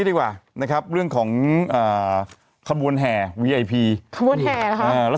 ดีกว่านะครับเรื่องของอ่าขบวนแห่วีไอพีขบวนแห่นะคะ